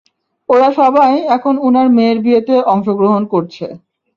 ওরা সবাই এখন উনার মেয়ের বিয়েতে অংশগ্রহণ করছে।